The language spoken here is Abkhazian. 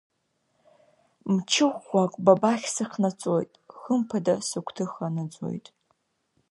Мчы ӷәӷәак ба бахь сыхнаҵоит, хымԥада сыгәҭыха наӡоит.